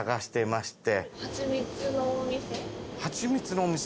はちみつのお店？